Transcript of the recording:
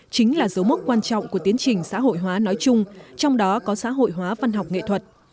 chính là dấu mốc quan trọng của tiến trình xã hội hóa nói chung trong đó có xã hội hóa văn học nghệ thuật